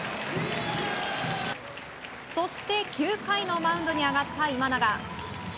そして９回のマウンドに上がった今永。